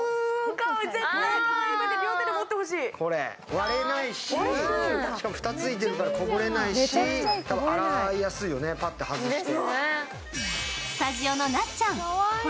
割れないし、しかも蓋ついてるからこぼれないし洗いやすいよね、パッと外して。